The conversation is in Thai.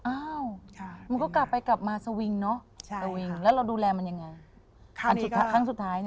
อ้าวมันก็กลับไปกลับมาสวิงเนอะสวิงแล้วเราดูแลมันยังไงครั้งสุดท้ายนะ